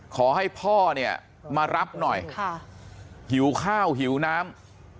ขอให้พ่อเนี่ยมารับหน่อยหิวข้าวหิวน้ำ